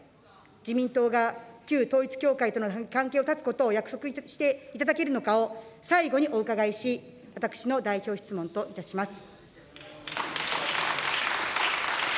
自民党が旧統一教会との関係を断つことを約束していただけるのかを最後にお伺いし、私の代表質問といたします。